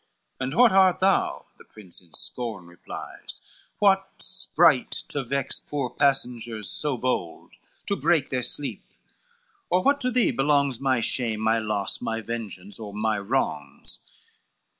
"And what art thou?" the prince in scorn replies, "What sprite to vex poor passengers so bold, To break their sleep? or what to thee belongs My shame, my loss, my vengeance or my wrongs."